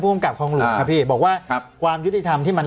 ภูมิกับคลองหลวงครับพี่บอกว่าความยุติธรรมที่มัน